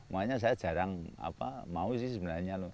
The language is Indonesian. makanya saya jarang mau sih sebenarnya